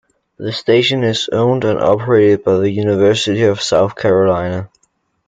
The station is owned and operated by the University of South Carolina.